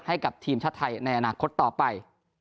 ให้กับทีมชาติไทยในอนาคตต่อไป